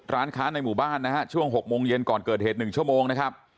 ร้านค้าในหมู่บ้านนะฮะช่วง๖โมงเย็นก่อนเกิดเหตุ๑ชั่วโมงนะครับ